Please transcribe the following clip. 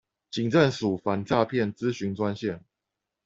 警政署反詐騙諮詢專線